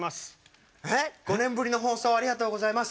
５年ぶりの放送ありがとうございます。